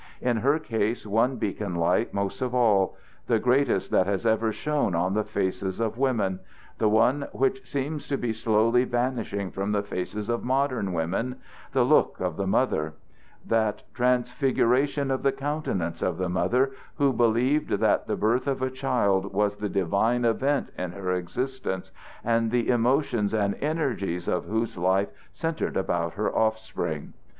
In her case one beacon light most of all, the greatest that has ever shone on the faces of women, the one which seems to be slowly vanishing from the faces of modern women the look of the mother: that transfiguration of the countenance of the mother who believed that the birth of a child was the divine event in her existence, and the emotions and energies of whose life centered about her offspring.